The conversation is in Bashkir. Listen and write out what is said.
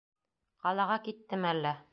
Ҡалаға киттеме әллә?